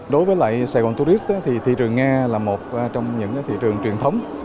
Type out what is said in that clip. đối với lại sài gòn tourist thì thị trường nga là một trong những thị trường truyền thống